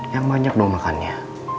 yang banyak dong makannya